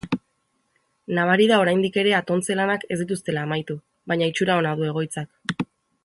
Nabari da oraindik ere atontze-lanak ez dituztela amaitu, baina itxura ona du egoitzak.